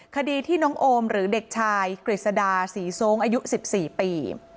คดีที่น้องโอมหรือเด็กชายกฤษดาศรีทรงอายุ๑๔ปี